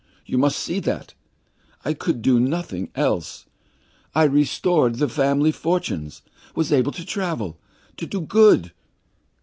You must see that! I could do nothing else. I restored the family fortunes, was able to travel, to do good.